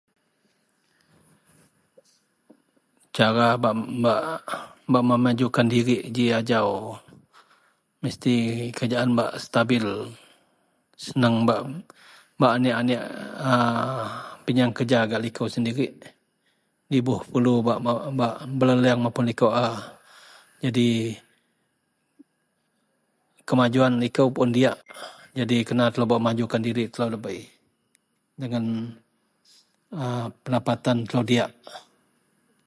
Cara bak, bak memajukan dirik ji ajau mesti kerajaan bak setabil, seneng bak, bak aneak-aneak … aaa… pinyeang kereja gak likou sendirik. Nda ibuh perelu bak, bak beleleang mapun likou a. Jadi kemajuwan likou pun diyak, nyadi kena telou bak memajuk diri telou debei dengan ..aaa… pendapatan telou diyak